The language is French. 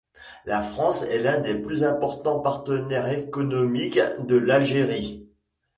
La France est l'un des plus importants partenaires économiques de l'Algérie.